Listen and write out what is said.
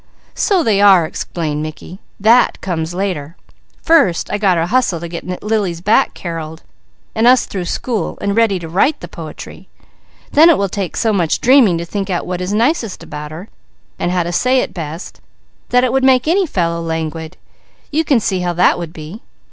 "So they are," explained Mickey. "That comes later. First I got to hustle to get Lily's back Carreled and us through school, and ready to write the poetry; then it will take so much dreaming to think out what is nicest about her, and how to say it best, that it would make any fellow languid you can see how that would be!"